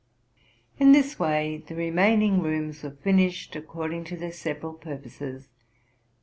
In this way the remaining rooms were finished, according to their several purposes.